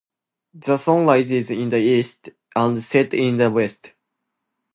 The sun rises in the east and sets in the west.